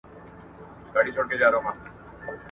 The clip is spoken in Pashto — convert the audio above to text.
رسول الله خپلو اصحابو ته د حبشيې پر لور د هجرت اجازه وركړه.